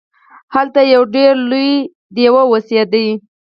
هلته یو ډیر لوی دیو اوسیده.